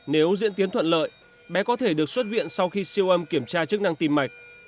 nếu diễn tiến thuận lợi bé có thể được xuất viện sau khi siêu âm kiểm tra chức năng tim mạch